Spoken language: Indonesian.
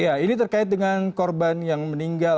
ya ini terkait dengan korban yang meninggal